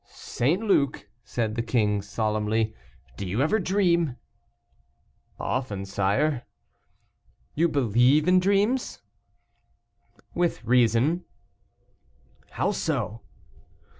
"St. Luc," said the king, solemnly, "do you ever dream?" "Often, sire." "You believe in dreams?" "With reason." "How so?"